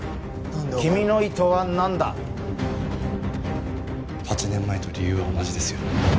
君の意図はなんだ？８年前と理由は同じですよ。